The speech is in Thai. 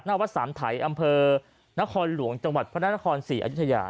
หน้าวัทย์สามไถอำเภอนครหลวงจังหวัดพระนักศาสตร์สี่นอัอยุธยา